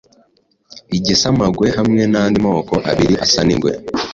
igisamagwe hamwe n’andi moko abiri asa n’ingwe